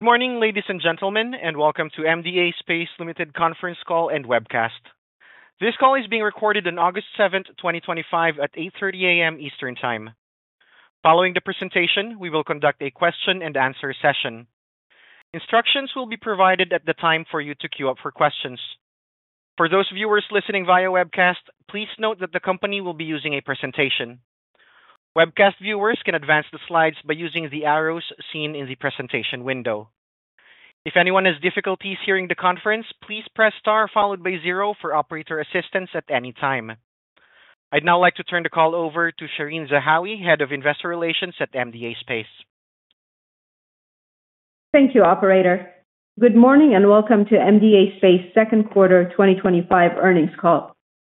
Good morning, ladies and gentlemen, and welcome to MDA Space's Limited Conference Call and Webcast. This call is being recorded on August 7, 2025, at 8:30 A.M. Eastern Time. Following the presentation, we will conduct a question-and-answer session. Instructions will be provided at the time for you to queue up for questions. For those viewers listening via webcast, please note that the company will be using a presentation. Webcast viewers can advance the slides by using the arrows seen in the presentation window. If anyone has difficulties hearing the conference, please press star followed by zero for operator assistance at any time. I'd now like to turn the call over to Shereen Zahawi, Head of Investor Relations at MDA Space. Thank you, operator. Good morning and welcome to MDA Space's Second Quarter 2025 Earnings Call.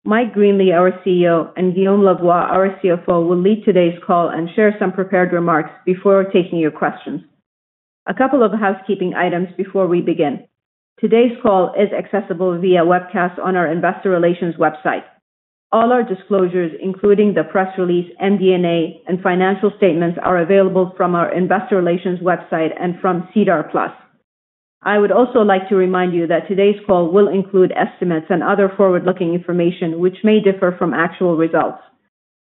Mike Greenley, our CEO, and Guillaume Lavoie, our CFO, will lead today's call and share some prepared remarks before taking your questions. A couple of housekeeping items before we begin. Today's call is accessible via webcast on our investor relations website. All our disclosures, including the press release, MD&A, and financial statements, are available from our Investor Relations website and from Sedar+. I would also like to remind you that today's call will include estimates and other forward-looking information, which may differ from actual results.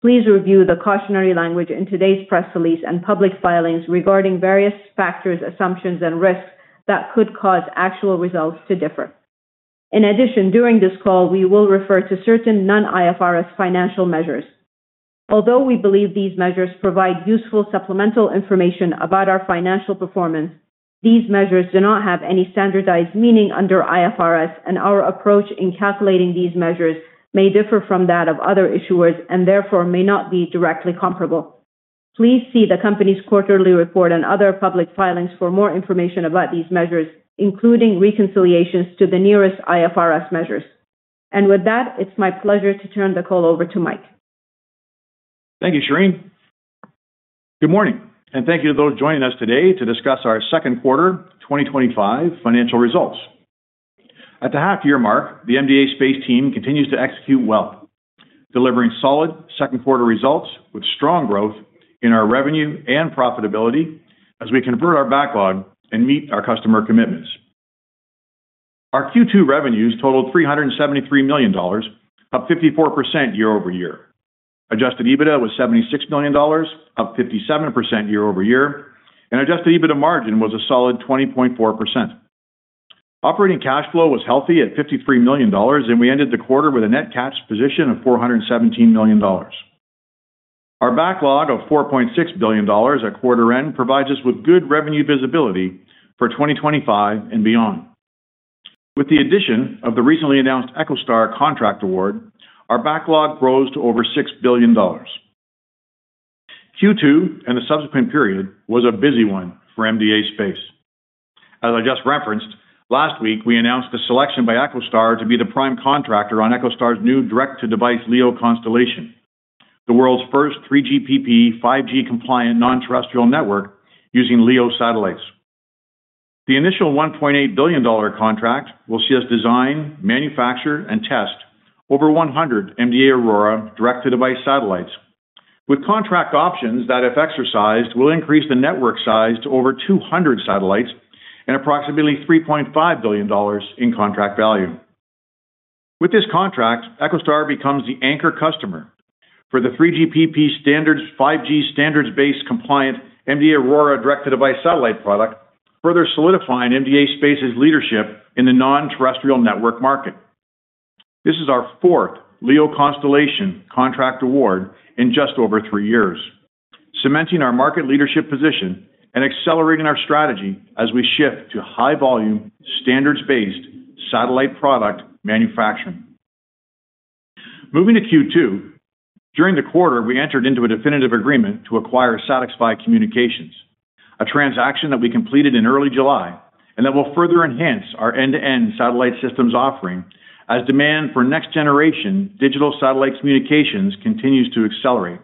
Please review the cautionary language in today's press release and public filings regarding various factors, assumptions, and risks that could cause actual results to differ. In addition, during this call, we will refer to certain non-IFRS financial measures. Although we believe these measures provide useful supplemental information about our financial performance, these measures do not have any standardized meaning under IFRS, and our approach in calculating these measures may differ from that of other issuers and therefore may not be directly comparable. Please see the company's quarterly report and other public filings for more information about these measures, including reconciliations to the nearest IFRS measures. With that, it's my pleasure to turn the call over to Mike. Thank you, Shereen. Good morning, and thank you to those joining us today to discuss our Second Quarter 2025 Financial Results. At the half-year mark, the MDA Space team continues to execute well, delivering solid second-quarter results with strong growth in our revenue and profitability as we convert our backlog and meet our customer commitments. Our Q2 revenues totaled $373 million, up 54% year-over-year. Adjusted EBITDA was $76 million, up 57% year-over-year, and adjusted EBITDA margin was a solid 20.4%. Operating cash flow was healthy at $53 million, and we ended the quarter with a net cash position of $417 million. Our backlog of $4.6 billion at quarter end provides us with good revenue visibility for 2025 and beyond. With the addition of the recently announced EchoStar contract award, our backlog grows to over $6 billion. Q2 and the subsequent period was a busy one for MDA Space. As I just referenced, last week we announced the selection by EchoStar to be the prime contractor on EchoStar's new direct-to-device LEO constellation, the world's first 3GPP 5G-compliant non-terrestrial network using LEO satellites. The initial $1.8 billion contract will see us design, manufacture, and test over 100 MDA AURORA direct-to-device satellites, with contract options that, if exercised, will increase the network size to over 200 satellites and approximately $3.5 billion in contract value. With this contract, EchoStar becomes the anchor customer for the 3GPP 5G standards-based compliant MDA AURORA direct-to-device satellite product, further solidifying MDA Space's leadership in the non-terrestrial network market. This is our fourth LEO constellation contract award in just over three years, cementing our market leadership position and accelerating our strategy as we shift to high-volume standards-based satellite product manufacturing. Moving to Q2, during the quarter, we entered into a definitive agreement to acquire SatixFy Communications, a transaction that we completed in early July and that will further enhance our end-to-end satellite systems offering as demand for next-generation digital satellite communications continues to accelerate.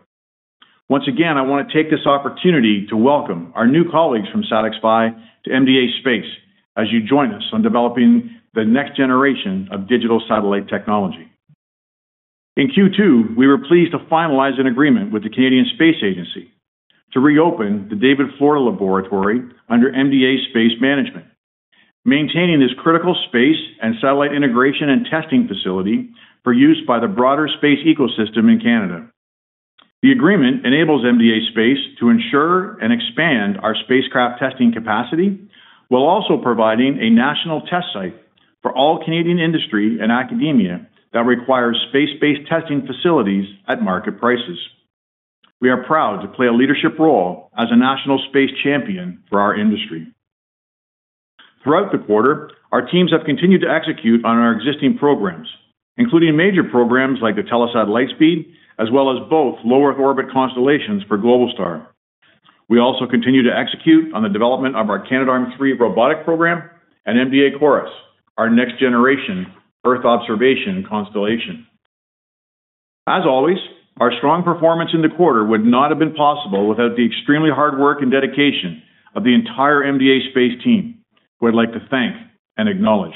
Once again, I want to take this opportunity to welcome our new colleagues from SatixFy to MDA Space as you join us on developing the next generation of digital satellite technology. In Q2, we were pleased to finalize an agreement with the Canadian Space Agency to reopen the David Florida Laboratory under MDA Space management, maintaining this critical space and satellite integration and testing facility for use by the broader space ecosystem in Canada. The agreement enables MDA Space to ensure and expand our spacecraft testing capacity while also providing a national test site for all Canadian industry and academia that requires space-based testing facilities at market prices. We are proud to play a leadership role as a national space champion for our industry. Throughout the quarter, our teams have continued to execute on our existing programs, including major programs like the Telesat Lightspeed, as well as both Low Earth Orbit constellations for Globalstar. We also continue to execute on the development of our Canadarm3 robotic program and MDA CHORUS, our next-generation Earth observation constellation. As always, our strong performance in the quarter would not have been possible without the extremely hard work and dedication of the entire MDA Space team, who I'd like to thank and acknowledge.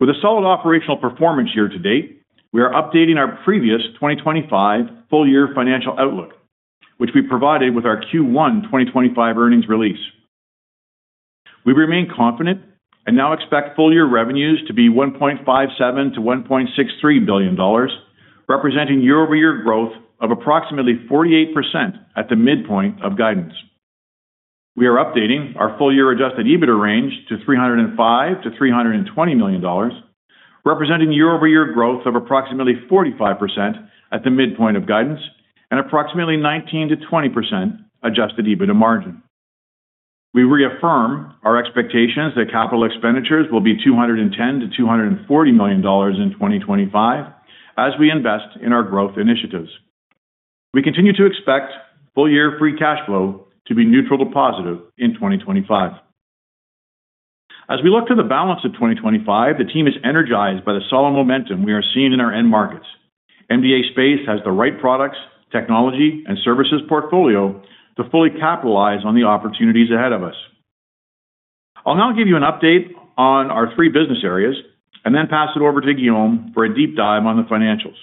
With a solid operational performance year to date, we are updating our previous 2025 full-year financial outlook, which we provided with our Q1 2025 earnings release. We remain confident and now expect full-year revenues to be $1.57 billion-$1.63 billion, representing year-over-year growth of approximately 48% at the midpoint of guidance. We are updating our full-year adjusted EBITDA range to $305 million-$320 million, representing year-over-year growth of approximately 45% at the midpoint of guidance and approximately 19%-20% adjusted EBITDA margin. We reaffirm our expectations that capital expenditures will be $210 million-$240 million in 2025 as we invest in our growth initiatives. We continue to expect full-year free cash flow to be neutral to positive in 2025. As we look to the balance of 2025, the team is energized by the solid momentum we are seeing in our end markets. MDA Space has the right products, technology, and services portfolio to fully capitalize on the opportunities ahead of us. I'll now give you an update on our three business areas and then pass it over to Guillaume for a deep dive on the financials.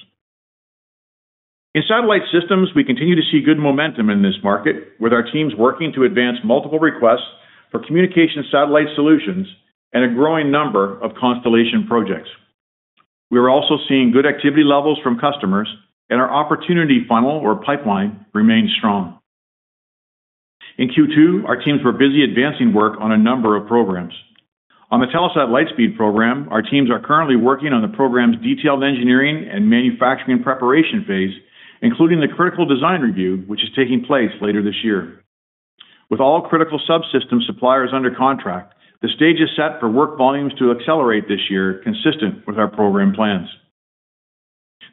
In satellite systems, we continue to see good momentum in this market, with our teams working to advance multiple requests for communication satellite solutions and a growing number of constellation projects. We are also seeing good activity levels from customers, and our opportunity funnel, or pipeline, remains strong. In Q2, our teams were busy advancing work on a number of programs. On the Telesat Lightspeed program, our teams are currently working on the program's detailed engineering and manufacturing preparation phase, including the critical design review, which is taking place later this year. With all critical subsystem suppliers under contract, the stage is set for work volumes to accelerate this year, consistent with our program plans.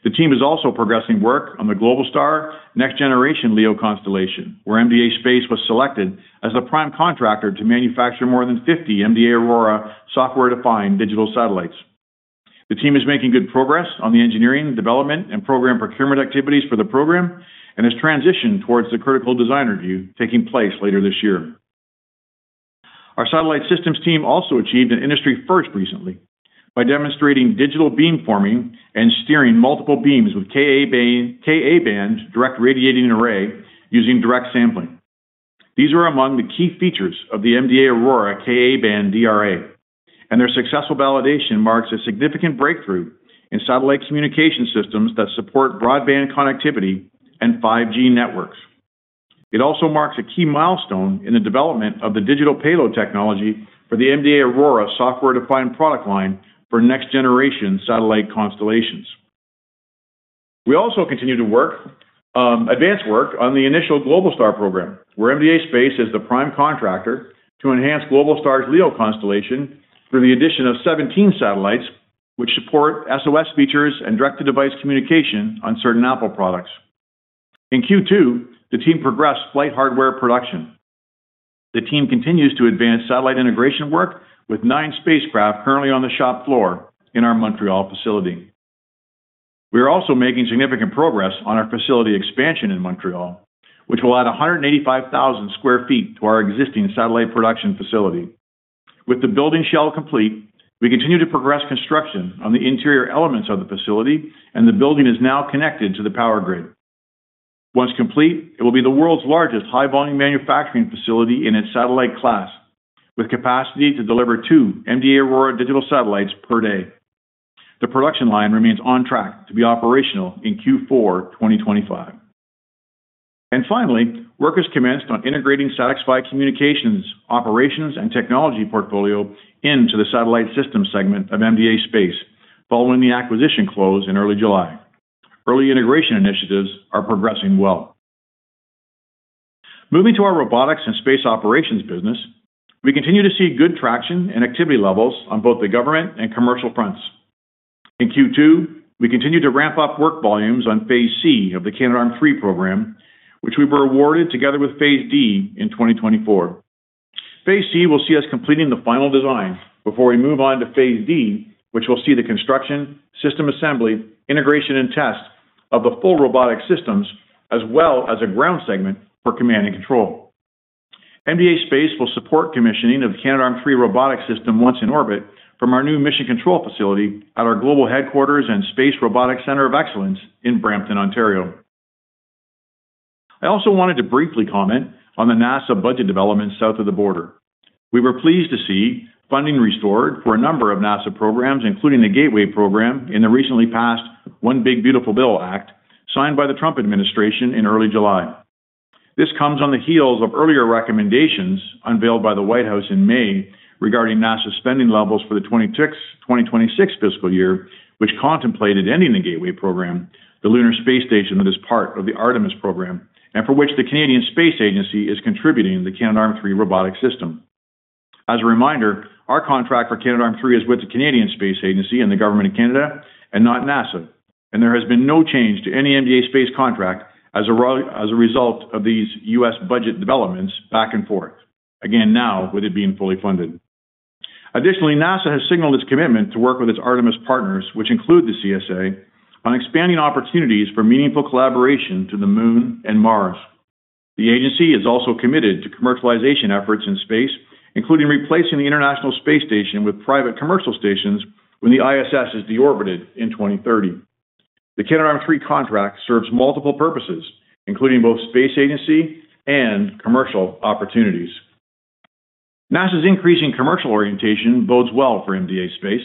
The team is also progressing work on the Globalstar next-generation LEO constellation, where MDA Space was selected as the prime contractor to manufacture more than 50 MDA AURORA software-defined digital satellites. The team is making good progress on the engineering, development, and program procurement activities for the program and has transitioned towards the critical design review taking place later this year. Our satellite systems team also achieved an industry first recently by demonstrating digital beamforming and steering multiple beams with KA-band direct radiating array using direct sampling. These are among the key features of the MDA AURORA KA-band DRA, and their successful validation marks a significant breakthrough in satellite communication systems that support broadband connectivity and 5G networks. It also marks a key milestone in the development of the digital payload technology for the MDA AURORA software-defined product line for next-generation satellite constellations. We also continue to advance work on the initial Globalstar program, where MDA Space is the prime contractor to enhance Globalstar's LEO constellation through the addition of 17 satellites, which support SOS features and direct-to-device communication on certain Apple products. In Q2, the team progressed flight hardware production. The team continues to advance satellite integration work with nine spacecraft currently on the shop floor in our Montreal facility. We are also making significant progress on our facility expansion in Montreal, which will add 185,000 sq ft to our existing satellite production facility. With the building shell complete, we continue to progress construction on the interior elements of the facility, and the building is now connected to the power grid. Once complete, it will be the world's largest high-volume manufacturing facility in its satellite class, with capacity to deliver two MDA AURORA digital satellites per day. The production line remains on track to be operational in Q4 2025. Finally, work has commenced on integrating SatixFy Communications' operations and technology portfolio into the satellite systems segment of MDA Space following the acquisition close in early July. Early integration initiatives are progressing well. Moving to our robotics and space operations business, we continue to see good traction and activity levels on both the government and commercial fronts. In Q2, we continue to ramp up work volumes on phase C of the Canadarm3 program, which we were awarded together with phase D in 2024. Phase C will see us completing the final design before we move on to phase D, which will see the construction, system assembly, integration, and test of the full robotic systems, as well as a ground segment for command and control. MDA Space will support commissioning of the Canadarm3 robotic system once in orbit from our new mission control facility at our global headquarters and Space Robotics Center of Excellence in Brampton, Ontario. I also wanted to briefly comment on the NASA budget development south of the border. We were pleased to see funding restored for a number of NASA programs, including the Gateway program in the recently passed One Big Beautiful Bill Act signed by the Trump administration in early July. This comes on the heels of earlier recommendations unveiled by the White House in May regarding NASA spending levels for the 2026 fiscal year, which contemplated ending the Gateway program, the lunar space station that is part of the Artemis program, and for which the Canadian Space Agency is contributing the Canadarm3 robotic system. As a reminder, our contract for Canadarm3 is with the Canadian Space Agency and the government of Canada and not NASA, and there has been no change to any MDA Space contract as a result of these U.S. budget developments back and forth, now with it being fully funded. Additionally, NASA has signaled its commitment to work with its Artemis partners, which include the CSA, on expanding opportunities for meaningful collaboration to the Moon and Mars. The agency is also committed to commercialization efforts in space, including replacing the International Space Station with private commercial stations when the ISS is deorbited in 2030. The Canadarm3 contract serves multiple purposes, including both space agency and commercial opportunities. NASA's increasing commercial orientation bodes well for MDA Space.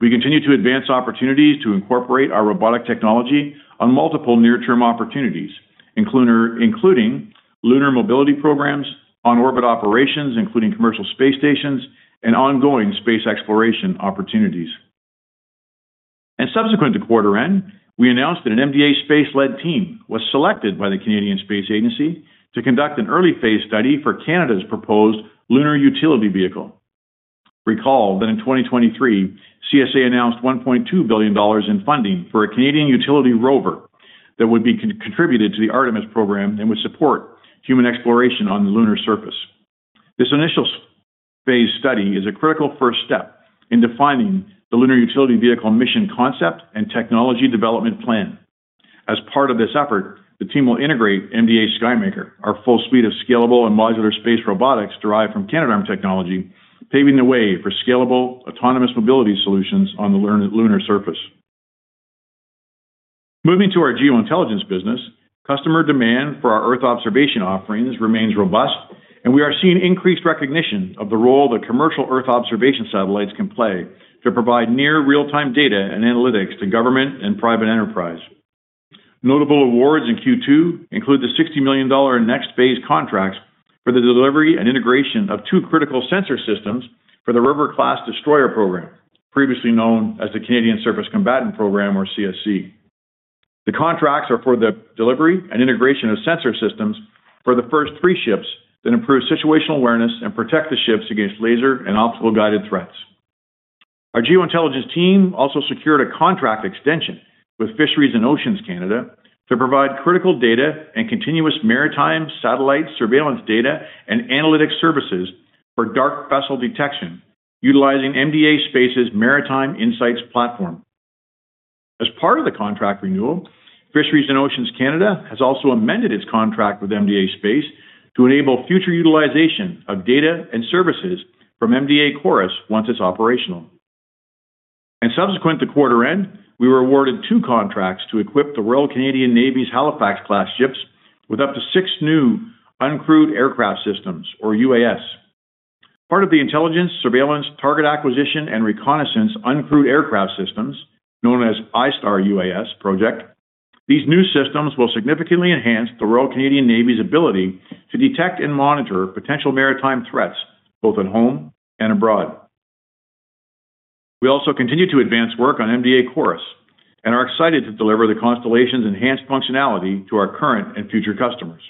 We continue to advance opportunities to incorporate our robotic technology on multiple near-term opportunities, including lunar mobility programs, on-orbit operations, including commercial space stations, and ongoing space exploration opportunities. Subsequent to quarter end, we announced that an MDA Space-led team was selected by the Canadian Space Agency to conduct an early phase study for Canada's proposed lunar utility vehicle. Recall that in 2023, the CSA announced $1.2 billion in funding for a Canadian utility rover that would be contributed to the Artemis program and would support human exploration on the lunar surface. This initial phase study is a critical first step in defining the lunar utility vehicle mission concept and technology development plan. As part of this effort, the team will integrate MDA Skymaker, our full suite of scalable and modular space robotics derived from Canadarm technology, paving the way for scalable, autonomous mobility solutions on the lunar surface. Moving to our geointelligence business, customer demand for our Earth observation offerings remains robust, and we are seeing increased recognition of the role that commercial Earth observation satellites can play to provide near real-time data and analytics to government and private enterprise. Notable awards in Q2 include the $60 million NEXT-based contracts for the delivery and integration of two critical sensor systems for the River-class Destroyer program, previously known as the Canadian Surface Combatant Program, or CSC. The contracts are for the delivery and integration of sensor systems for the first three ships that improve situational awareness and protect the ships against laser and optical-guided threats. Our geointelligence team also secured a contract extension with Fisheries and Oceans Canada to provide critical data and continuous maritime satellite surveillance data and analytic services for dark vessel detection utilizing MDA Space's Maritime Insights platform. As part of the contract renewal, Fisheries and Oceans Canada has also amended its contract with MDA Space to enable future utilization of data and services from MDA CHORUS once it's operational. Subsequent to quarter end, we were awarded two contracts to equip the Royal Canadian Navy's Halifax class ships with up to six new uncrewed aircraft systems, or UAS. Part of the Intelligence, Surveillance, Target Acquisition, and Reconnaissance Uncrewed Aircraft Systems, known as ISTAR-UAS project, these new systems will significantly enhance the Royal Canadian Navy's ability to detect and monitor potential maritime threats both at home and abroad. We also continue to advance work on MDA CHORUS and are excited to deliver the constellation's enhanced functionality to our current and future customers.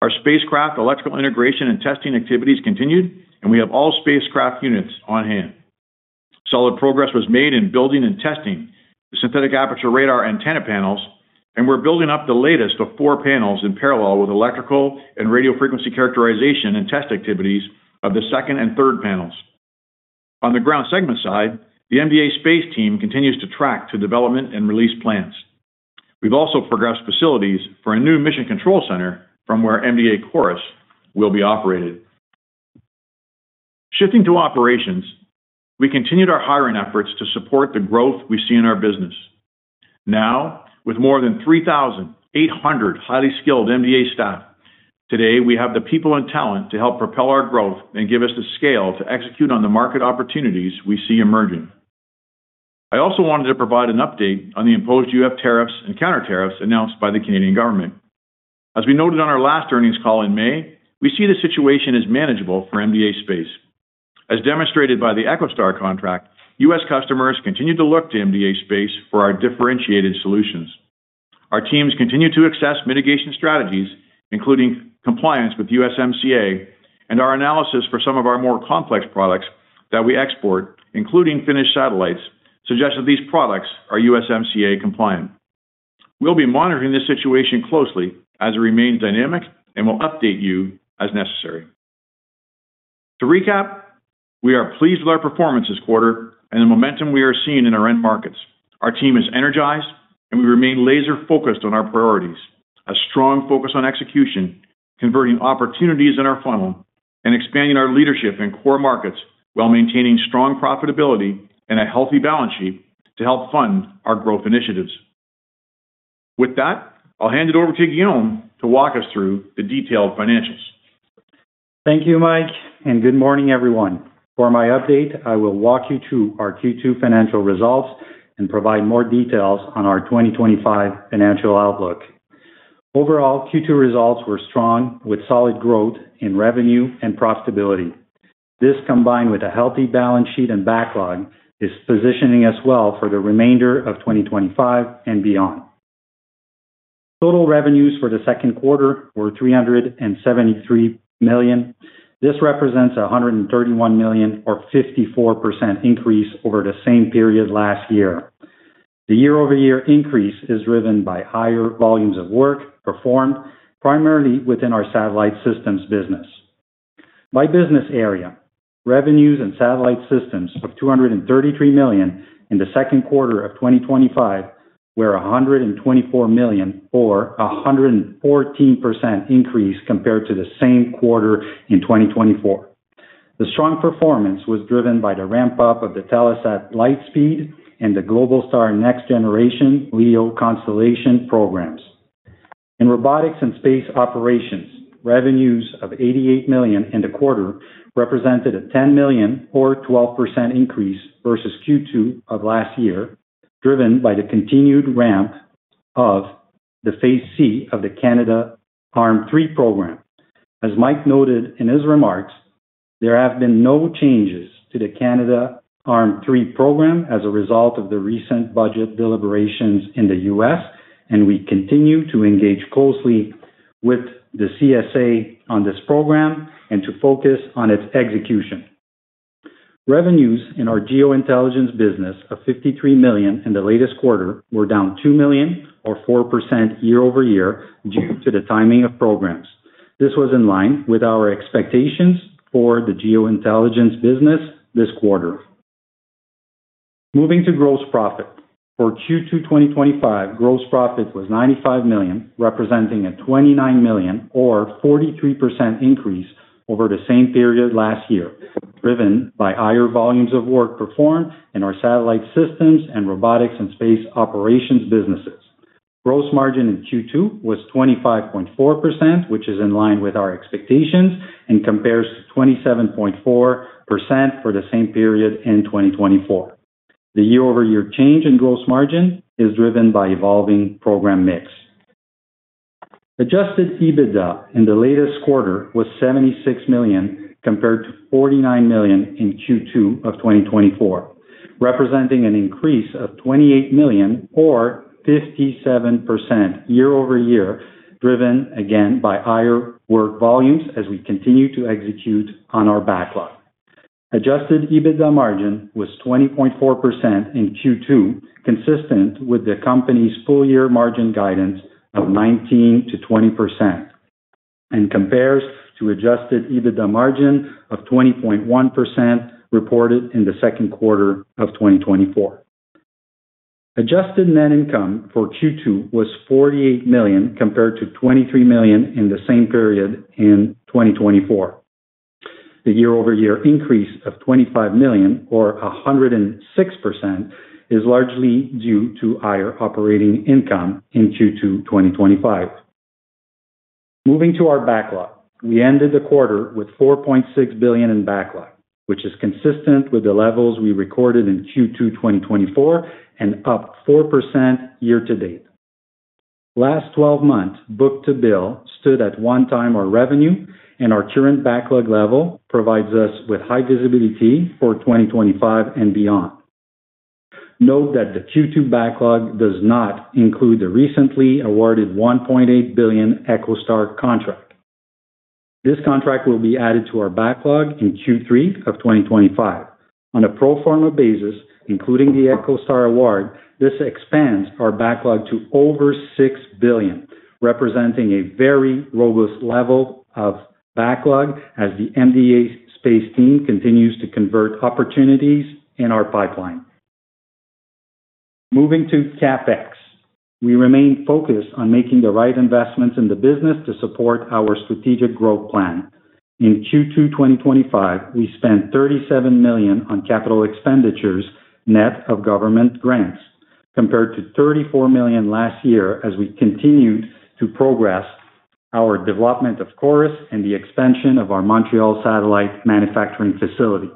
Our spacecraft electrical integration and testing activities continued, and we have all spacecraft units on hand. Solid progress was made in building and testing the synthetic aperture radar antenna panels, and we're building up the latest of four panels in parallel with electrical and radio frequency characterization and test activities of the second and third panels. On the ground segment side, the MDA Space team continues to track to development and release plans. We've also progressed facilities for a new mission control center from where MDA CHORUS will be operated. Shifting to operations, we continued our hiring efforts to support the growth we see in our business. Now, with more than 3,800 highly skilled MDA staff, today we have the people and talent to help propel our growth and give us the scale to execute on the market opportunities we see emerging. I also wanted to provide an update on the imposed UF tariffs and counter tariffs announced by the Canadian government. As we noted on our last earnings call in May, we see the situation is manageable for MDA Space. As demonstrated by the EchoStar contract, U.S. customers continue to look to MDA Space for our differentiated solutions. Our teams continue to assess mitigation strategies, including compliance with USMCA, and our analysis for some of our more complex products that we export, including Finnish satellites, suggests that these products are USMCA compliant. We'll be monitoring this situation closely as it remains dynamic and will update you as necessary. To recap, we are pleased with our performance this quarter and the momentum we are seeing in our end markets. Our team is energized and we remain laser-focused on our priorities, a strong focus on execution, converting opportunities in our funnel, and expanding our leadership in core markets while maintaining strong profitability and a healthy balance sheet to help fund our growth initiatives. With that, I'll hand it over to Guillaume to walk us through the detailed financials. Thank you, Mike, and good morning, everyone. For my update, I will walk you through our Q2 financial results and provide more details on our 2025 financial outlook. Overall, Q2 results were strong, with solid growth in revenue and profitability. This, combined with a healthy balance sheet and backlog, is positioning us well for the remainder of 2025 and beyond. Total revenues for the second quarter were $373 million. This represents $131 million, or a 54% increase over the same period last year. The year-over-year increase is driven by higher volumes of work performed, primarily within our satellite systems business. By business area, revenues in satellite systems of $233 million in the second quarter of 2025 were $124 million, or a 114% increase compared to the same quarter in 2024. The strong performance was driven by the ramp-up of the Telesat Lightspeed and the Globalstar next-generation LEO constellation programs. In robotics and space operations, revenues of $88 million in the quarter represented a $10 million, or a 12% increase versus Q2 of last year, driven by the continued ramp of the phase C of the Canadarm3 program. As Mike noted in his remarks, there have been no changes to the Canadarm3 program as a result of the recent budget deliberations in the U.S., and we continue to engage closely with the CSA on this program and to focus on its execution. Revenues in our geointelligence business of $53 million in the latest quarter were down $2 million, or a 4% year-over-year due to the timing of programs. This was in line with our expectations for the geointelligence business this quarter. Moving to gross profit, for Q2 2025, gross profit was $95 million, representing a $29 million, or a 43% increase over the same period last year, driven by higher volumes of work performed in our satellite systems and robotics and space operations businesses. Gross margin in Q2 was 25.4%, which is in line with our expectations and compares to 27.4% for the same period in 2024. The year-over-year change in gross margin is driven by evolving program mix. Adjusted EBITDA in the latest quarter was $76 million compared to $49 million in Q2 of 2024, representing an increase of $28 million, or a 57% year-over-year, driven again by higher work volumes as we continue to execute on our backlog. Adjusted EBITDA margin was 20.4% in Q2, consistent with the company's full-year margin guidance of 19%-20%, and compares to adjusted EBITDA margin of 20.1% reported in the second quarter of 2024. Adjusted net income for Q2 was $48 million compared to $23 million in the same period in 2024. The year-over-year increase of $25 million, or 106%, is largely due to higher operating income in Q2 2025. Moving to our backlog, we ended the quarter with $4.6 billion in backlog, which is consistent with the levels we recorded in Q2 2024 and up 4% year to date. Last 12 months' book-to-bill stood at one time our revenue, and our current backlog level provides us with high visibility for 2025 and beyond. Note that the Q2 backlog does not include the recently awarded $1.8 billion EchoStar contract. This contract will be added to our backlog in Q3 of 2025. On a pro forma basis, including the EchoStar award, this expands our backlog to over $6 billion, representing a very robust level of backlog as the MDA Space team continues to convert opportunities in our pipeline. Moving to CapEx, we remain focused on making the right investments in the business to support our strategic growth plan. In Q2 2025, we spent $37 million on capital expenditures net of government grants, compared to $34 million last year as we continued to progress our development of CHORUS and the expansion of our Montreal satellite manufacturing facility.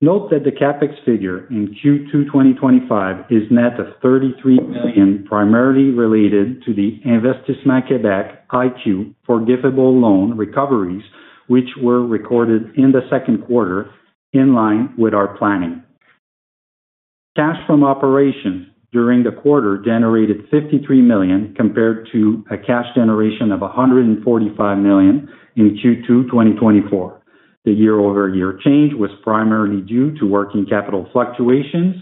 Note that the CapEx figure in Q2 2025 is net of $33 million, primarily related to the Investissement Québec IQ forgivable loan recoveries, which were recorded in the second quarter, in line with our planning. Cash from operations during the quarter generated $53 million, compared to a cash generation of $145 million in Q2 2024. The year-over-year change was primarily due to working capital fluctuations.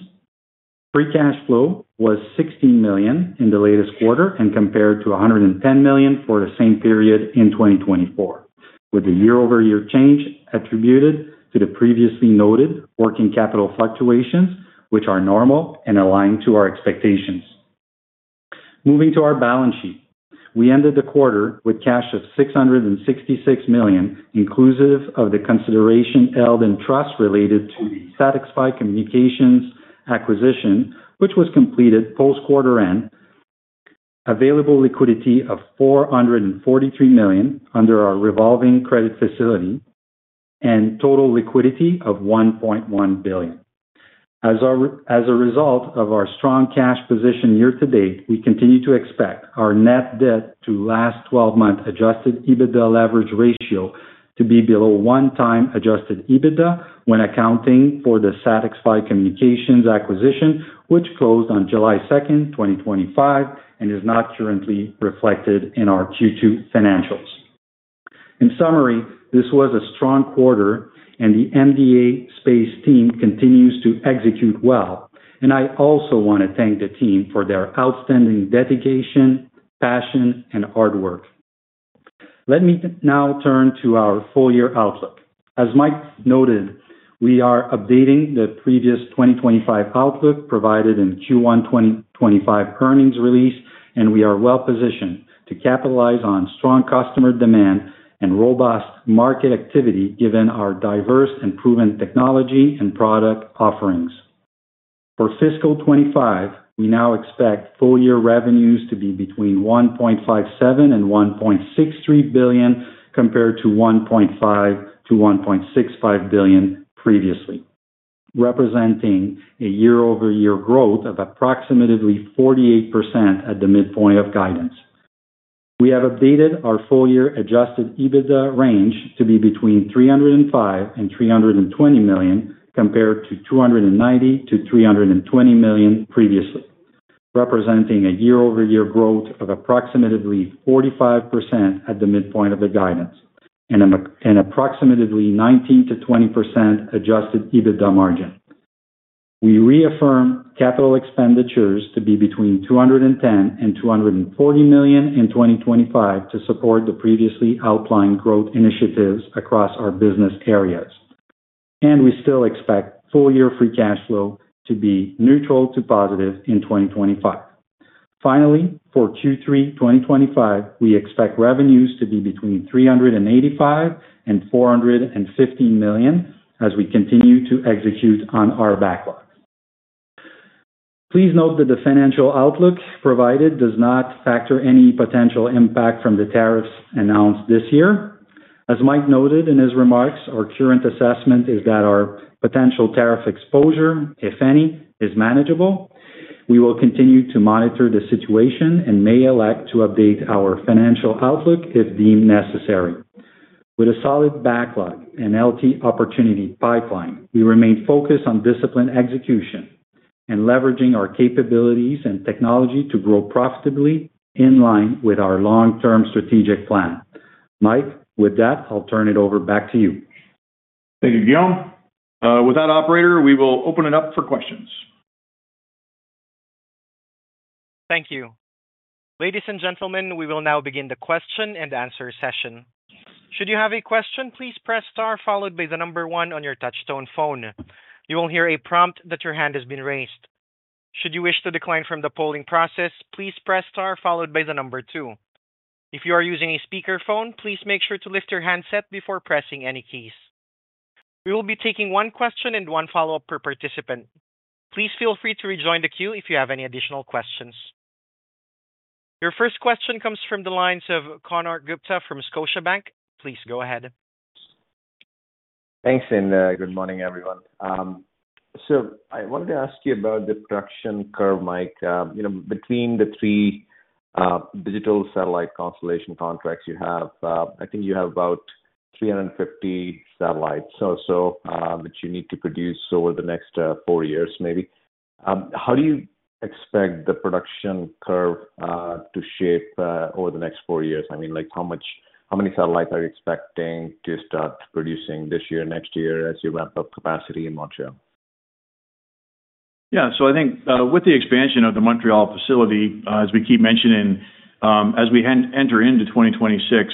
Free cash flow was $16 million in the latest quarter and compared to $110 million for the same period in 2024, with the year-over-year change attributed to the previously noted working capital fluctuations, which are normal and aligned to our expectations. Moving to our balance sheet, we ended the quarter with cash of $666 million, inclusive of the consideration held in trust related to the SatixFy Communications acquisition, which was completed post-quarter end, available liquidity of $443 million under our revolving credit facility, and total liquidity of $1.1 billion. As a result of our strong cash position year to date, we continue to expect our net debt to last 12-month adjusted EBITDA leverage ratio to be below 1x adjusted EBITDA when accounting for the SatixFy Communications acquisition, which closed on July 2, 2025, and is not currently reflected in our Q2 financials. In summary, this was a strong quarter, and the MDA Space team continues to execute well. I also want to thank the team for their outstanding dedication, passion, and hard work. Let me now turn to our full-year outlook. As Mike noted, we are updating the previous 2025 outlook provided in the Q1 2025 Earnings Release, and we are well positioned to capitalize on strong customer demand and robust market activity, given our diverse and proven technology and product offerings. For fiscal 2025, we now expect full-year revenues to be between $1.57 billion and $1.63 billion, compared to $1.5 billion-$1.65 billion previously, representing a year-over-year growth of approximately 48% at the midpoint of guidance. We have updated our full-year adjusted EBITDA range to be between $305 million and $320 million, compared to $290 million-$320 million previously, representing a year-over-year growth of approximately 45% at the midpoint of the guidance and an approximately 19%-20% adjusted EBITDA margin. We reaffirm capital expenditures to be between $210 million and $240 million in 2025 to support the previously outlined growth initiatives across our business areas. We still expect full-year free cash flow to be neutral to positive in 2025. Finally, for Q3 2025, we expect revenues to be between $385 million and $415 million as we continue to execute on our backlog. Please note that the financial outlook provided does not factor any potential impact from the tariffs announced this year. As Mike noted in his remarks, our current assessment is that our potential tariff exposure, if any, is manageable. We will continue to monitor the situation and may elect to update our financial outlook if deemed necessary. With a solid backlog and long-term opportunity pipeline, we remain focused on disciplined execution and leveraging our capabilities and technology to grow profitably in line with our long-term strategic plan. Mike, with that, I'll turn it over back to you. Thank you, Guillaume. With that, operator, we will open it up for questions. Thank you. Ladies and gentlemen, we will now begin the question-and-answer session. Should you have a question, please press star followed by the number one on your touch-tone phone. You will hear a prompt that your hand has been raised. Should you wish to decline from the polling process, please press star followed by the number two. If you are using a speakerphone, please make sure to lift your handset before pressing any keys. We will be taking one question and one follow-up per participant. Please feel free to rejoin the queue if you have any additional questions. Your first question comes from the lines of Kornak Gupta from Scotiabank. Please go ahead. Thanks, and good morning, everyone. I wanted to ask you about the production curve, Mike. You know, between the three digital satellite constellation contracts you have, I think you have about 350 satellites or so that you need to produce over the next four years, maybe. How do you expect the production curve to shape over the next four years? I mean, like how much, how many satellites are you expecting to start producing this year, next year, as you ramp up capacity in Montreal? Yeah, I think with the expansion of the Montreal facility, as we keep mentioning, as we enter into 2026,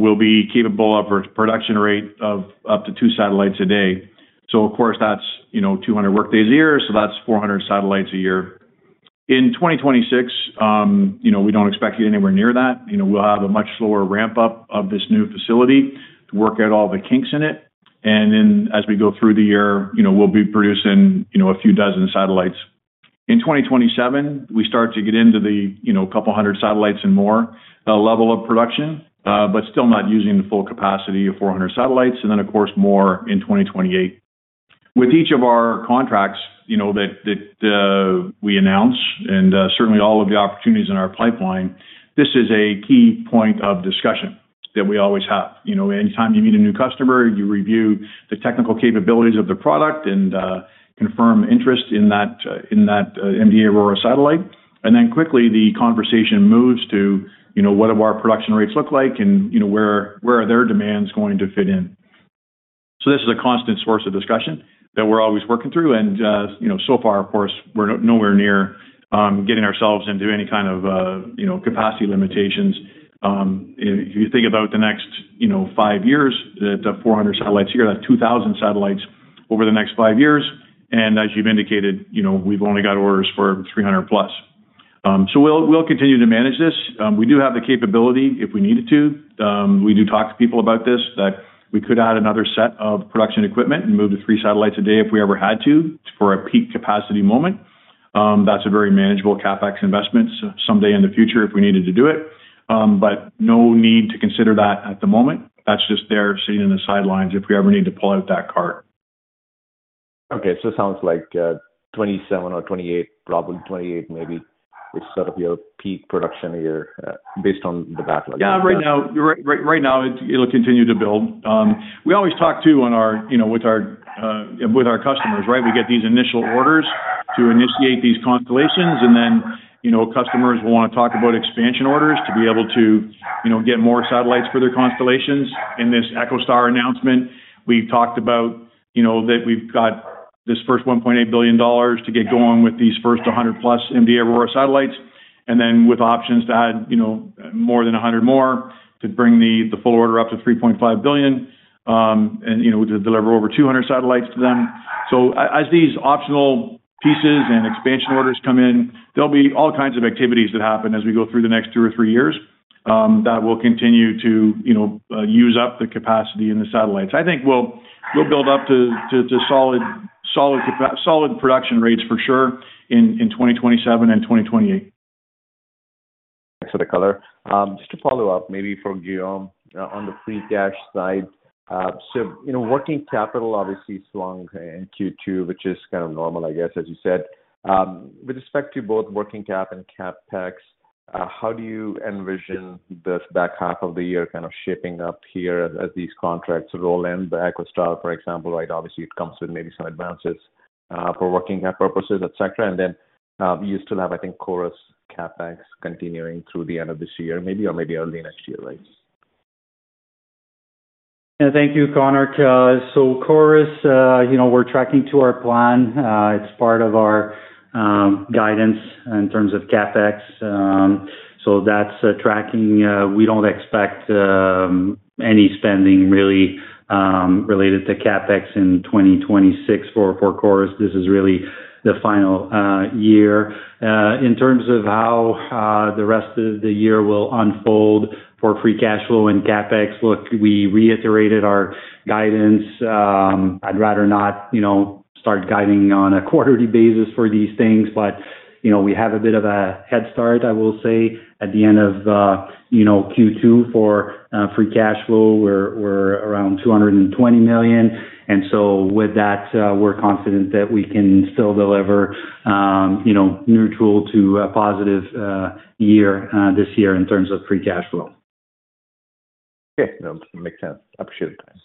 we'll be capable of a production rate of up to two satellites a day. Of course, that's 200 workdays a year, so that's 400 satellites a year. In 2026, we don't expect to get anywhere near that. We'll have a much slower ramp-up of this new facility, work out all the kinks in it, and then as we go through the year, we'll be producing a few dozen satellites. In 2027, we start to get into the couple hundred satellites and more level of production, but still not using the full capacity of 400 satellites, and then more in 2028. With each of our contracts that we announce, and certainly all of the opportunities in our pipeline, this is a key point of discussion that we always have. Anytime you meet a new customer, you review the technical capabilities of the product and confirm interest in that MDA AURORA satellite, and then quickly the conversation moves to what do our production rates look like, and where are their demands going to fit in? This is a constant source of discussion that we're always working through, and so far, of course, we're nowhere near getting ourselves into any kind of capacity limitations. If you think about the next five years, the 400 satellites a year, that's 2,000 satellites over the next five years, and as you've indicated, we've only got orders for 300+. We'll continue to manage this. We do have the capability if we needed to. We do talk to people about this, that we could add another set of production equipment and move to three satellites a day if we ever had to for a peak capacity moment. That's a very manageable CapEx investment someday in the future if we needed to do it, but no need to consider that at the moment. That's just there sitting on the sidelines if we ever need to pull out that cart. Okay, so it sounds like 27 or 28, probably 28 maybe, is sort of your peak production a year based on the backlog. Right now it'll continue to build. We always talk too on our, you know, with our customers, right? We get these initial orders to initiate these constellations, and then customers will want to talk about expansion orders to be able to get more satellites for their constellations. In this EchoStar announcement, we've talked about that we've got this first $1.8 billion to get going with these first 100+ MDA AURORA satellites, and then with options to add more than 100 more to bring the full order up to $3.5 billion, and to deliver over 200 satellites to them. As these optional pieces and expansion orders come in, there'll be all kinds of activities that happen as we go through the next two or three years that will continue to use up the capacity in the satellites. I think we'll build up to solid production rates for sure in 2027 and 2028. Thanks for the color. Just to follow up, maybe for Guillaume on the free cash side. You know, working capital obviously swung in Q2, which is kind of normal, I guess, as you said. With respect to both working cap and CapEx, how do you envision the first back half of the year kind of shaping up here as these contracts roll in, the EchoStar, for example, right? Obviously, it comes with maybe some advances for working cap purposes, etc., and then you still have, I think, CHORUS CapEx continuing through the end of this year, maybe, or maybe early next year, right? Yeah, thank you, Connor. CHORUS, you know, we're tracking to our plan. It's part of our guidance in terms of CapEx. That's tracking. We don't expect any spending really related to CapEx in 2026 for CHORUS. This is really the final year. In terms of how the rest of the year will unfold for free cash flow and CapEx, look, we reiterated our guidance. I'd rather not, you know, start guiding on a quarterly basis for these things, but, you know, we have a bit of a head start, I will say, at the end of, you know, Q2 for free cash flow. We're around $220 million, and with that, we're confident that we can still deliver, you know, neutral to a positive year this year in terms of free cash flow. Okay, that makes sense. I appreciate it, guys.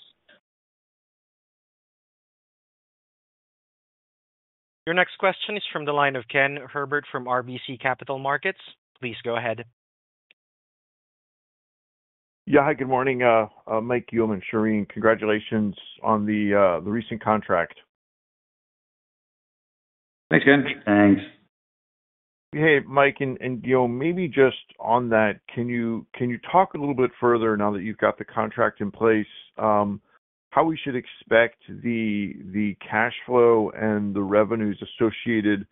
Your next question is from the line of Ken Herbert from RBC Capital Markets. Please go ahead. Yeah, hi, good morning. Mike, Guillaume, and Shereen, congratulations on the recent contract. Thanks, Ken. Thanks. Hey, Mike, and Guillaume, maybe just on that, can you talk a little bit further now that you've got the contract in place, how we should expect the cash flow and the revenues associated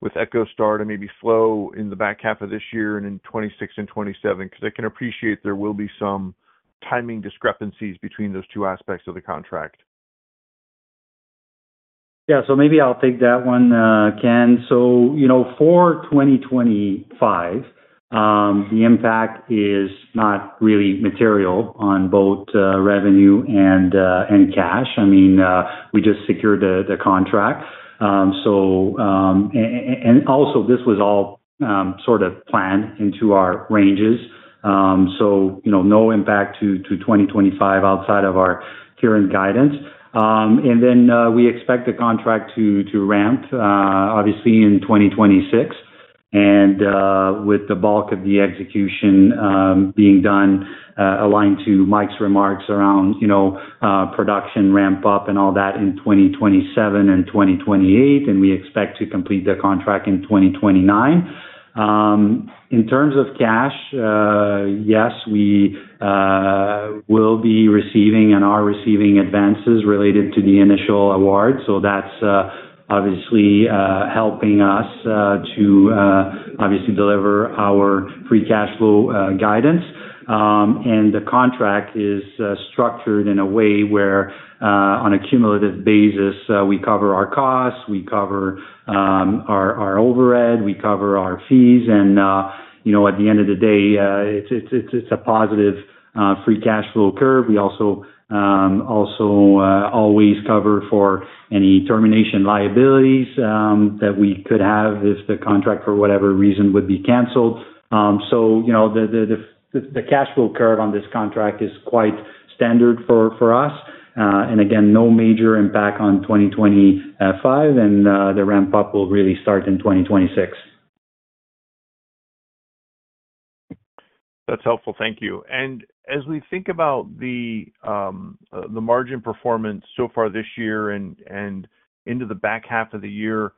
with the EchoStar contract to maybe flow in the back half of this year and in 2026 and 2027, because I can appreciate there will be some timing discrepancies between those two aspects of the contract. Yeah, maybe I'll take that one, Ken. For 2025, the impact is not really material on both revenue and cash. We just secured the contract, and this was all sort of planned into our ranges. No impact to 2025 outside of our current guidance. We expect the contract to ramp, obviously, in 2026, with the bulk of the execution being done, aligned to Mike's remarks around production ramp-up and all that in 2027 and 2028, and we expect to complete the contract in 2029. In terms of cash, yes, we will be receiving and are receiving advances related to the initial award. That's obviously helping us to deliver our free cash flow guidance. The contract is structured in a way where, on a cumulative basis, we cover our costs, we cover our overhead, we cover our fees, and at the end of the day, it's a positive free cash flow curve. We also always cover for any termination liabilities that we could have if the contract for whatever reason would be canceled. The cash flow curve on this contract is quite standard for us. Again, no major impact on 2025, and the ramp-up will really start in 2026. That's helpful, thank you. As we think about the margin performance so far this year and into the back half of the year,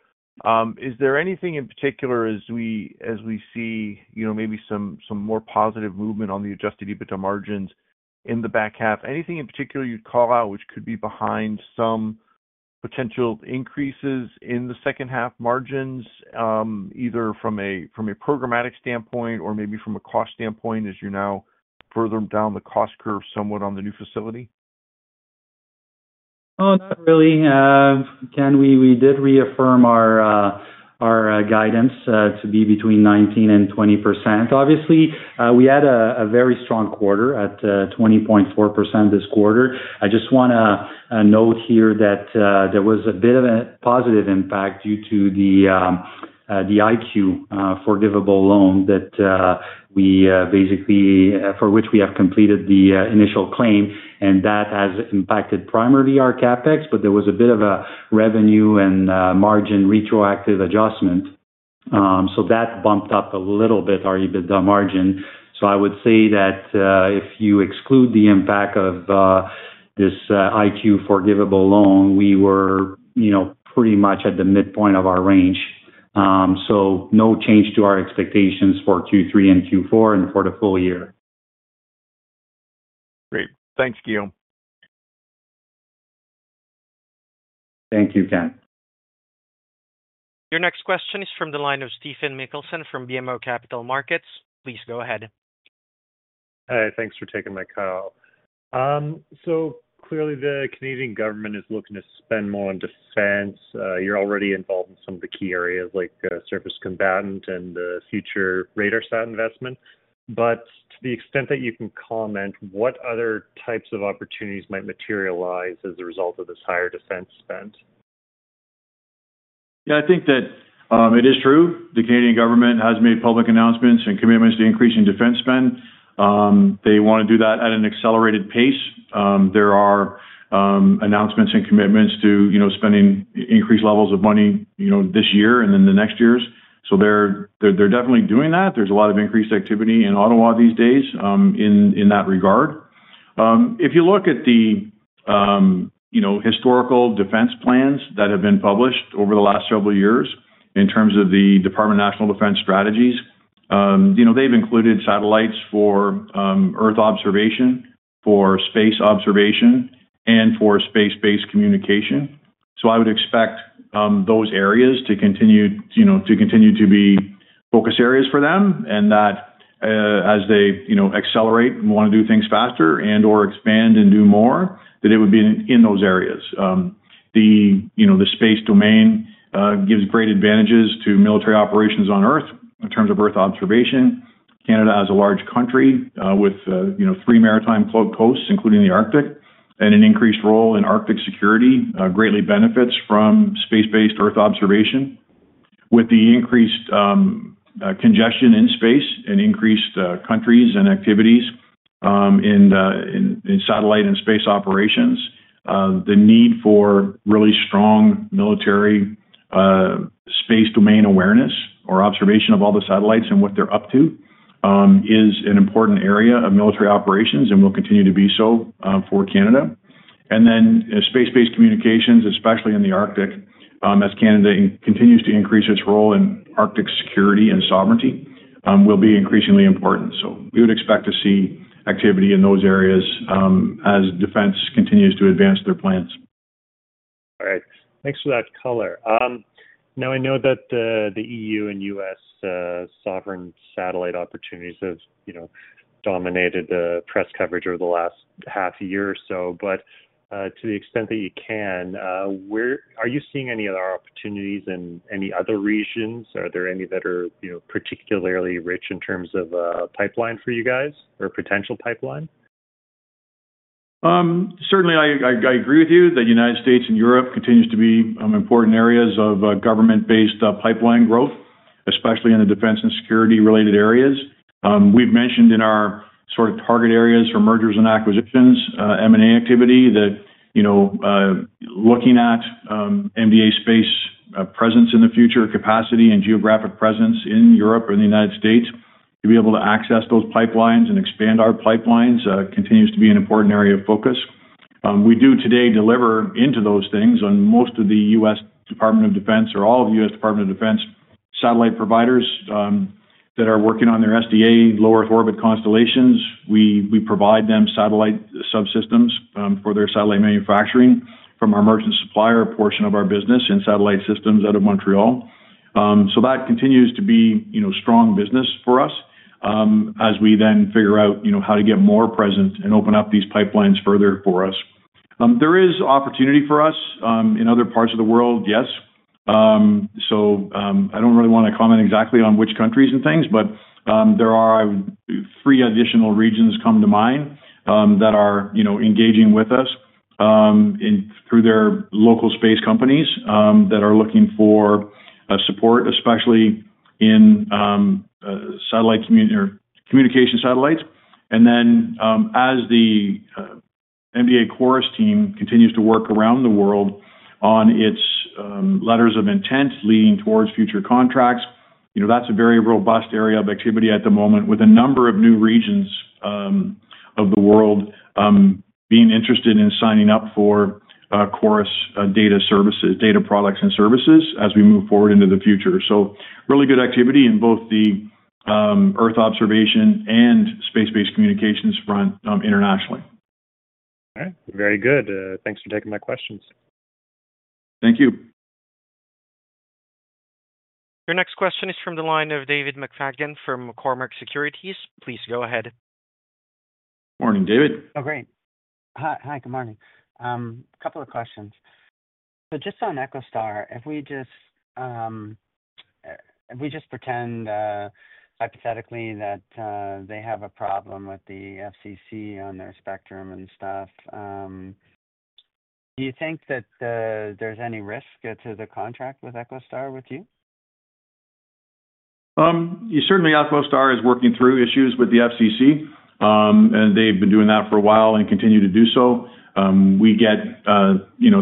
is there anything in particular as we see maybe some more positive movement on the adjusted EBITDA margins in the back half? Anything in particular you'd call out which could be behind some potential increases in the second half margins, either from a programmatic standpoint or maybe from a cost standpoint as you're now further down the cost curve somewhat on the new facility? Oh, not really. Ken, we did reaffirm our guidance to be between 19% and 20%. Obviously, we had a very strong quarter at 20.4% this quarter. I just want to note here that there was a bit of a positive impact due to the IQ forgivable loan that we basically, for which we have completed the initial claim, and that has impacted primarily our CapEx, but there was a bit of a revenue and margin retroactive adjustment. That bumped up a little bit our EBITDA margin. I would say that if you exclude the impact of this IQ forgivable loan, we were, you know, pretty much at the midpoint of our range. No change to our expectations for Q3 and Q4 and for the full year. Great. Thanks, Guillaume. Thank you, Ken. Your next question is from the line of Stephen Machielsen from BMO Capital Markets. Please go ahead. Hi, thanks for taking my call. Clearly the Canadian government is looking to spend more on defense. You're already involved in some of the key areas like Surface Combatant and the future RADARSAT investment. To the extent that you can comment, what other types of opportunities might materialize as a result of this higher defense spend? Yeah, I think that it is true. The Canadian government has made public announcements and commitments to increasing defense spend. They want to do that at an accelerated pace. There are announcements and commitments to spending increased levels of money this year and then the next years. They're definitely doing that. There's a lot of increased activity in Ottawa these days in that regard. If you look at the historical defense plans that have been published over the last several years in terms of the Department of National Defense strategies, they've included satellites for Earth observation, for space observation, and for space-based communication. I would expect those areas to continue to be focus areas for them and that as they accelerate and want to do things faster and/or expand and do more, that it would be in those areas. The space domain gives great advantages to military operations on Earth in terms of Earth observation. Canada is a large country with three maritime coasts, including the Arctic, and an increased role in Arctic security greatly benefits from space-based Earth observation. With the increased congestion in space and increased countries and activities in satellite and space operations, the need for really strong military space domain awareness or observation of all the satellites and what they're up to is an important area of military operations and will continue to be so for Canada. Space-based communications, especially in the Arctic, as Canada continues to increase its role in Arctic security and sovereignty, will be increasingly important. We would expect to see activity in those areas as defense continues to advance their plans. All right, thanks for that color. Now, I know that the EU and U.S. sovereign satellite opportunities have dominated the press coverage over the last half year or so. To the extent that you can, are you seeing any other opportunities in any other regions? Are there any that are particularly rich in terms of a pipeline for you guys or a potential pipeline? Certainly, I agree with you that the United States and Europe continue to be important areas of government-based pipeline growth, especially in the defense and security-related areas. We've mentioned in our sort of target areas for mergers and acquisitions, M&A activity, that, you know, looking at MDA Space presence in the future, capacity and geographic presence in Europe or in the United States, to be able to access those pipelines and expand our pipelines continues to be an important area of focus. We do today deliver into those things on most of the U.S. Department of Defense or all of the U.S. Department of Defense satellite providers that are working on their SDA, low Earth orbit constellations. We provide them satellite subsystems for their satellite manufacturing from our merchant supplier portion of our business and satellite systems out of Montreal. That continues to be, you know, strong business for us as we then figure out, you know, how to get more present and open up these pipelines further for us. There is opportunity for us in other parts of the world, yes. I don't really want to comment exactly on which countries and things, but there are three additional regions that come to mind that are, you know, engaging with us through their local space companies that are looking for support, especially in satellite communication satellites. As the MDA CHORUS team continues to work around the world on its letters of intent leading towards future contracts, you know, that's a very robust area of activity at the moment with a number of new regions of the world being interested in signing up for CHORUS data services, data products, and services as we move forward into the future. Really good activity in both the Earth observation and space-based communications front internationally. All right, very good. Thanks for taking my questions. Thank you. Your next question is from the line of David McFadgen from Cormark Securities. Please go ahead. Morning, David. Oh, great. Hi, good morning. A couple of questions. Just on EchoStar, if we just pretend hypothetically that they have a problem with the FCC on their spectrum and stuff, do you think that there's any risk to the contract with EchoStar with you? Certainly, EchoStar is working through issues with the FCC, and they've been doing that for a while and continue to do so. We get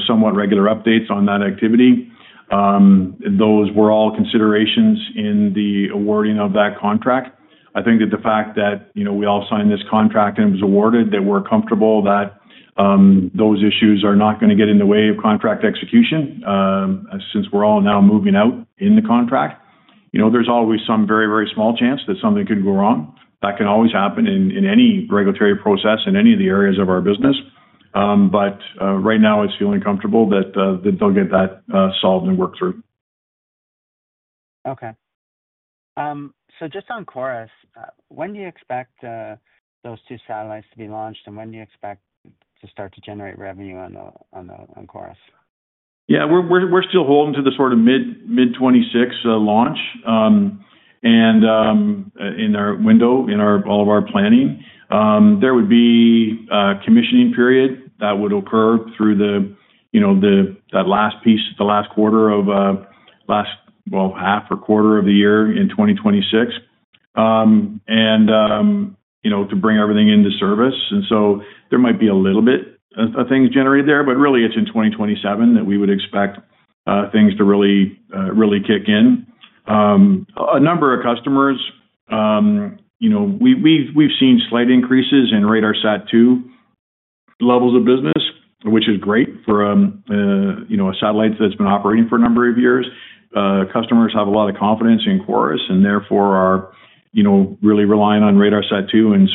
somewhat regular updates on that activity. Those were all considerations in the awarding of that contract. I think that the fact that we all signed this contract and it was awarded, that we're comfortable that those issues are not going to get in the way of contract execution since we're all now moving out in the contract. There's always some very, very small chance that something could go wrong. That can always happen in any regulatory process in any of the areas of our business. Right now, it's feeling comfortable that they'll get that solved and worked through. Okay. Just on CHORUS, when do you expect those two satellites to be launched, and when do you expect to start to generate revenue on CHORUS? Yeah, we're still holding to the sort of mid-2026 launch in our window, in all of our planning. There would be a commissioning period that would occur through that last piece, the last quarter of last, well, half or quarter of the year in 2026, to bring everything into service. There might be a little bit of things generated there, but really, it's in 2027 that we would expect things to really, really kick in. A number of customers, we've seen slight increases in RADARSAT-2 levels of business, which is great for a satellite that's been operating for a number of years. Customers have a lot of confidence in CHORUS, and therefore are really relying on RADARSAT-2, and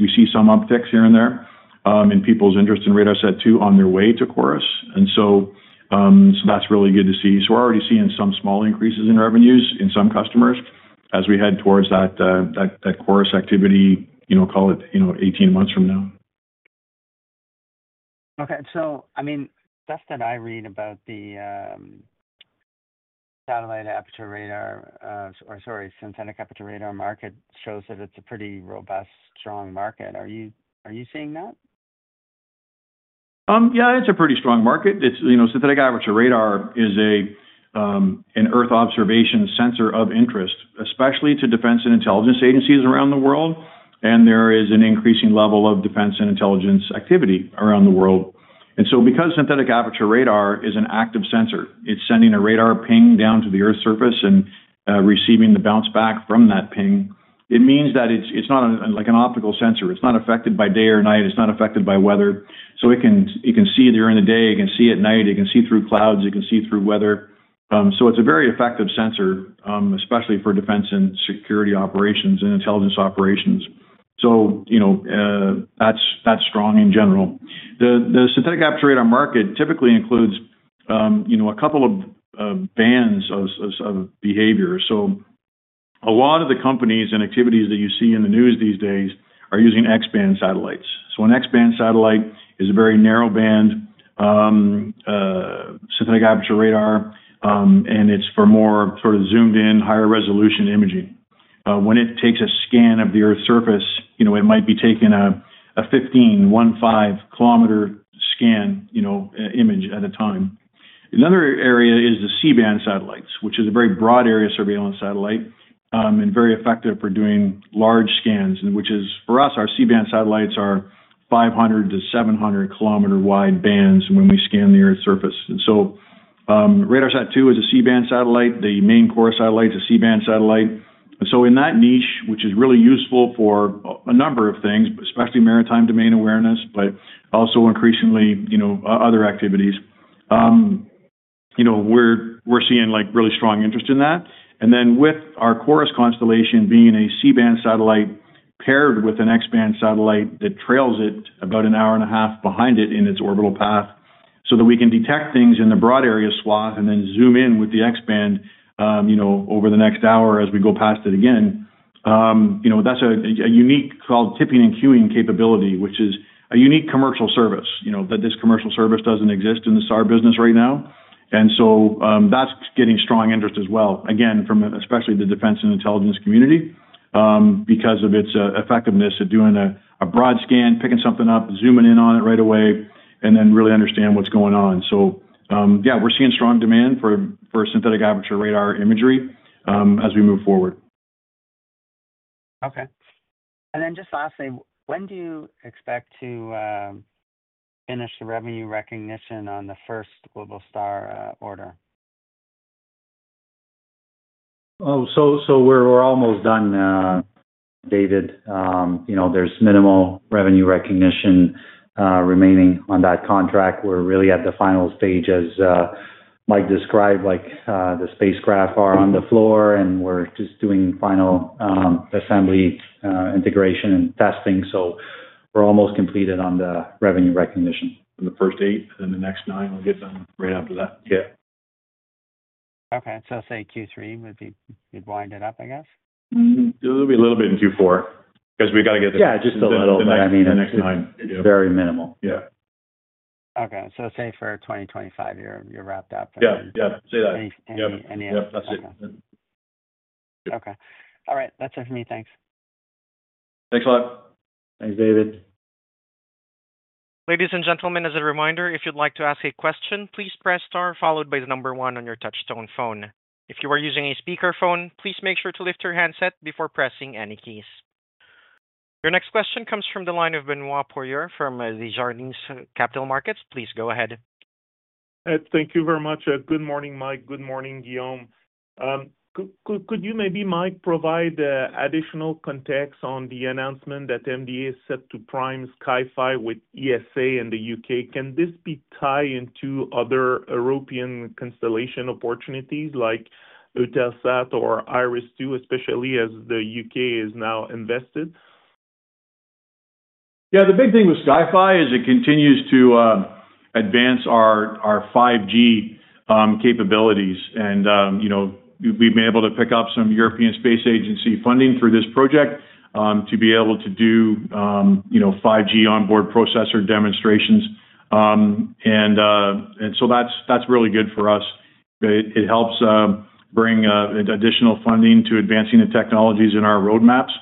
we see some upticks here and there in people's interest in RADARSAT-2 on their way to CHORUS. That's really good to see. We're already seeing some small increases in revenues in some customers as we head towards that CHORUS activity, call it, 18 months from now. Okay, I mean, stuff that I read about the synthetic aperture radar market shows that it's a pretty robust, strong market. Are you seeing that? Yeah, it's a pretty strong market. Synthetic aperture radar is an Earth observation sensor of interest, especially to defense and intelligence agencies around the world, and there is an increasing level of defense and intelligence activity around the world. Because synthetic aperture radar is an active sensor, it's sending a radar ping down to the Earth's surface and receiving the bounce back from that ping. It means that it's not like an optical sensor. It's not affected by day or night. It's not affected by weather. You can see during the day, you can see at night, you can see through clouds, you can see through weather. It's a very effective sensor, especially for defense and security operations and intelligence operations. That's strong in general. The synthetic aperture radar market typically includes a couple of bands of behavior. A lot of the companies and activities that you see in the news these days are using X-band satellites. An X-band satellite is a very narrow band synthetic aperture radar, and it's for more sort of zoomed-in, higher resolution imaging. When it takes a scan of the Earth's surface, it might be taking a 15, 1.5 km scan image at a time. Another area is the C-band satellites, which is a very broad area surveillance satellite and very effective for doing large scans, which is for us, our C-band satellites are 500 km-700 km wide bands when we scan the Earth's surface. RadarSat 2 is a C-band satellite. The main MDA CHORUS satellite is a C-band satellite. In that niche, which is really useful for a number of things, especially maritime domain awareness, but also increasingly other activities, we're seeing really strong interest in that. With our MDA CHORUS constellation being a C-band satellite paired with an X-band satellite that trails it about an hour and a half behind it in its orbital path so that we can detect things in the broad area swath and then zoom in with the X-band over the next hour as we go past it again, that's a unique called tipping and queuing capability, which is a unique commercial service. This commercial service doesn't exist in the SAR business right now. That's getting strong interest as well, especially from the defense and intelligence community because of its effectiveness at doing a broad scan, picking something up, zooming in on it right away, and then really understand what's going on. We're seeing strong demand for synthetic aperture radar imagery as we move forward. Okay. Lastly, when do you expect to finish the revenue recognition on the first Globalstar order? Oh, we're almost done, David. You know, there's minimal revenue recognition remaining on that contract. We're really at the final stages, like described, like the spacecraft are on the floor and we're just doing final assembly, integration, and testing. We're almost completed on the revenue recognition. On the first eight, and then the next nine, I'll get done with right after that. Okay, so Q3 would be you'd wind it up, I guess? It'll be a little bit in Q4 because we've got to get the next nine. Yeah, just a little, but I mean very minimal. Yeah. Okay, so say for 2025 you're wrapped up. Yeah, say that. Anything? Yep, that's it. Okay, all right, that's it for me. Thanks. Thanks a lot. Thanks, David. Ladies and gentlemen, as a reminder, if you'd like to ask a question, please press star followed by the number one on your touch-tone phone. If you are using a speakerphone, please make sure to lift your handset before pressing any keys. Your next question comes from the line of Benoit Poirier from Desjardins Capital Markets. Please go ahead. Thank you very much. Good morning, Mike. Good morning, Guillaume. Could you maybe, Mike, provide additional context on the announcement that MDA Space is set to prime SkyFi with ESA in the U.K.? Can this be tied into other European constellation opportunities like Eutelsat or IRIS2, especially as the U.K. is now invested? Yeah, the big thing with SkyFi is it continues to advance our 5G capabilities. We've been able to pick up some European Space Agency funding through this project to be able to do 5G onboard processor demonstrations. That's really good for us. It helps bring additional funding to advancing the technologies in our roadmaps.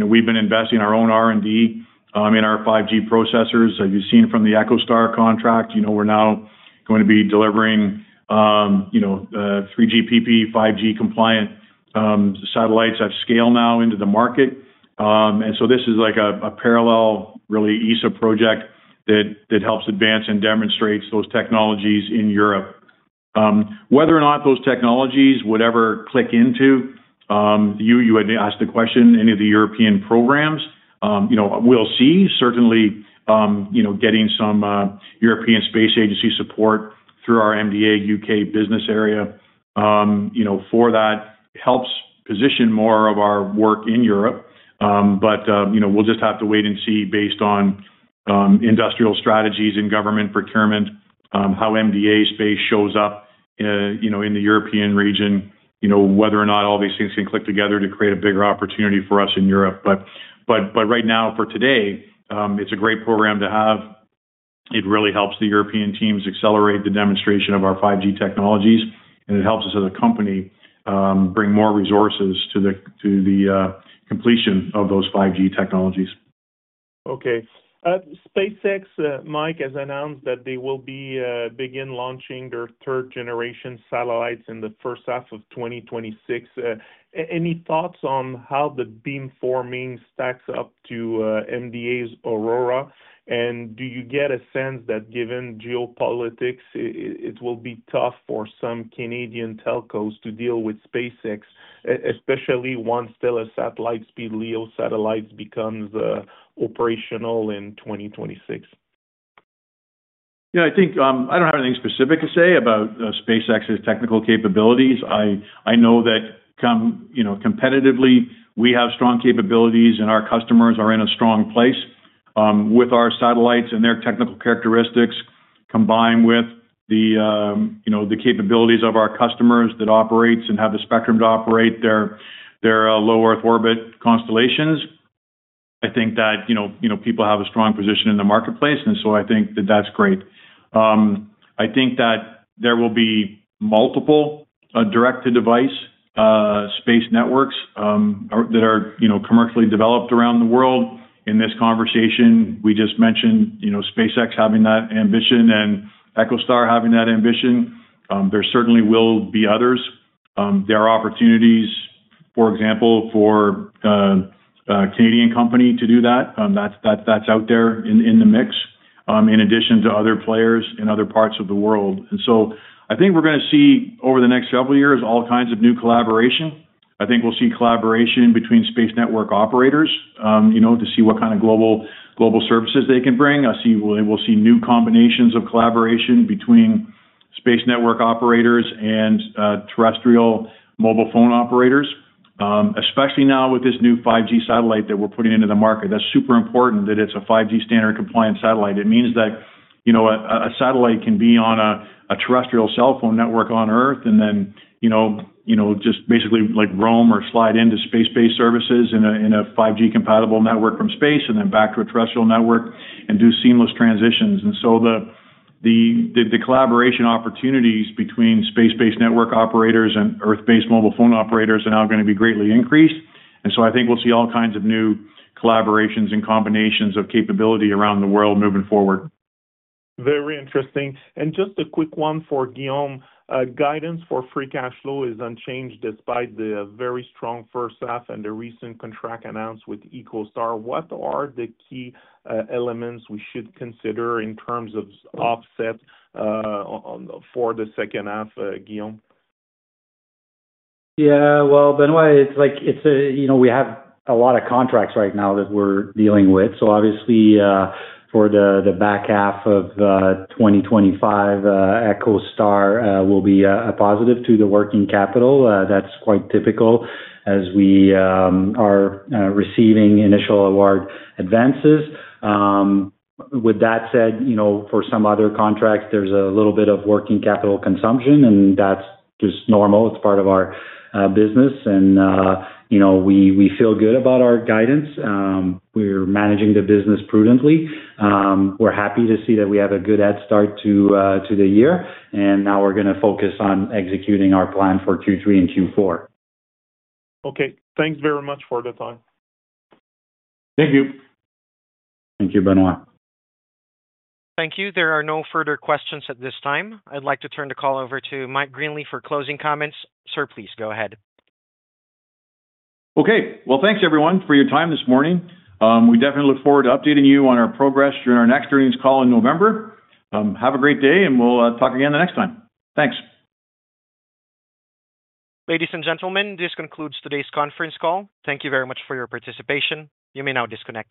We've been investing in our own R&D in our 5G processors. As you've seen from the EchoStar contract, we're now going to be delivering 3GPP 5G-compliant satellites at scale now into the market. This is like a parallel, really, ESA project that helps advance and demonstrates those technologies in Europe. Whether or not those technologies would ever click into, you had asked the question, any of the European programs, we'll see. Certainly, getting some European Space Agency support through our MDA U.K. business area for that helps position more of our work in Europe. We'll just have to wait and see based on industrial strategies and government procurement how MDA Space shows up in the European region, whether or not all these things can click together to create a bigger opportunity for us in Europe. Right now, for today, it's a great program to have. It really helps the European teams accelerate the demonstration of our 5G technologies, and it helps us as a company bring more resources to the completion of those 5G technologies. Okay. SpaceX, Mike, has announced that they will begin launching their third-generation satellites in the first half of 2026. Any thoughts on how the beamforming stacks up to MDA AURORA? Do you get a sense that given geopolitics, it will be tough for some Canadian telcos to deal with SpaceX, especially once Telesat Lightspeed LEO satellites become operational in 2026? Yeah, I think I don't have anything specific to say about SpaceX's technical capabilities. I know that, competitively, we have strong capabilities and our customers are in a strong place with our satellites and their technical characteristics combined with the capabilities of our customers that operate and have the spectrum to operate their low Earth orbit constellations. I think that people have a strong position in the marketplace, and I think that that's great. I think that there will be multiple direct-to-device space networks that are commercially developed around the world. In this conversation, we just mentioned SpaceX having that ambition and EchoStar having that ambition. There certainly will be others. There are opportunities, for example, for a Canadian company to do that. That's out there in the mix in addition to other players in other parts of the world. I think we're going to see over the next several years all kinds of new collaboration. I think we'll see collaboration between space network operators to see what kind of global services they can bring. We'll see new combinations of collaboration between space network operators and terrestrial mobile phone operators, especially now with this new 5G satellite that we're putting into the market. That's super important that it's a 5G standard compliant satellite. It means that a satellite can be on a terrestrial cell phone network on Earth and then just basically like roam or slide into space-based services in a 5G compatible network from space and then back to a terrestrial network and do seamless transitions. The collaboration opportunities between space-based network operators and Earth-based mobile phone operators are now going to be greatly increased. I think we'll see all kinds of new collaborations and combinations of capability around the world moving forward. Very interesting. Just a quick one for Guillaume. Guidance for free cash flow is unchanged despite the very strong first half and the recent contract announced with EchoStar. What are the key elements we should consider in terms of offset for the second half, Guillaume? Yeah, Benoit, it's like, you know, we have a lot of contracts right now that we're dealing with. Obviously, for the back half of 2025, the EchoStar contract will be a positive to the working capital. That's quite typical as we are receiving initial award advances. With that said, for some other contracts, there's a little bit of working capital consumption, and that's just normal. It's part of our business, and you know, we feel good about our guidance. We're managing the business prudently. We're happy to see that we have a good head start to the year, and now we're going to focus on executing our plan for Q3 and Q4. Okay, thanks very much for the time. Thank you. Thank you, Benoit. Thank you. There are no further questions at this time. I'd like to turn the call over to Mike Greenley for closing comments. Sir, please go ahead. Okay, thanks everyone for your time this morning. We definitely look forward to updating you on our progress during our next earnings call in November. Have a great day, and we'll talk again the next time. Thanks. Ladies and gentlemen, this concludes today's conference call. Thank you very much for your participation. You may now disconnect.